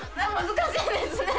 難しいですね。